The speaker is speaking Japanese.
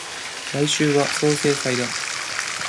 来週は相生祭だ